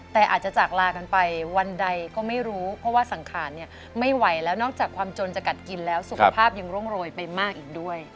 แต่อาจจะจากลากันไปวันใดก็ไม่รู้เพราะว่าสังขารเนี่ยไม่ไหวแล้วนอกจากความจนจะกัดกินแล้วสุขภาพยังร่วงโรยไปมากอีกด้วย